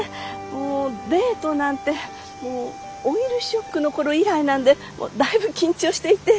もうデートなんてもうオイルショックの頃以来なんでだいぶ緊張していて。